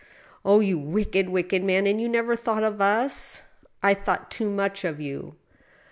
" Oh, you wicked, wicked man !— ^and you never thought of us ?"" I thought too much of you